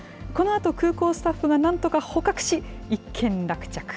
このあと空港スタッフが、なんとか捕獲し、一件落着。